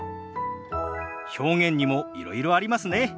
表現にもいろいろありますね。